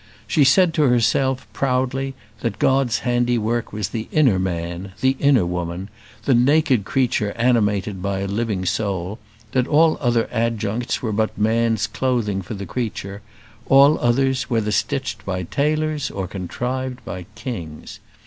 She said to herself, proudly, that God's handiwork was the inner man, the inner woman, the naked creature animated by a living soul; that all other adjuncts were but man's clothing for the creature; all others, whether stitched by tailors or contrived by kings.